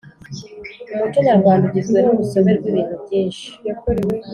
umuco nyarwanda ugizwe n’urusobe rw’ibintu byinshi